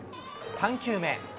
３球目。